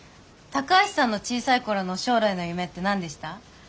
高橋さんの小さい頃の将来の夢って何でした？